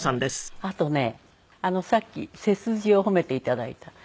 あとねさっき背筋を褒めて頂いた。